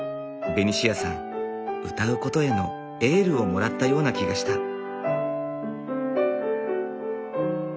ベニシアさん歌うことへのエールをもらったような気がした。